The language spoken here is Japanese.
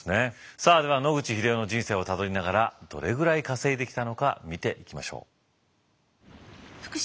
さあでは野口英世の人生をたどりながらどれぐらい稼いできたのか見ていきましょう。